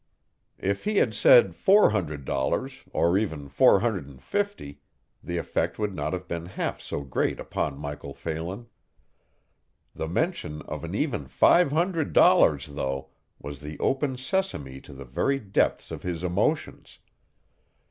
If he had said four hundred dollars, or even four hundred and fifty, the effect would not have been half so great upon Michael Phelan. The mention of an even five hundred dollars, though, was the open sesame to the very depths of his emotions.